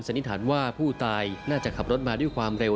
นิษฐานว่าผู้ตายน่าจะขับรถมาด้วยความเร็ว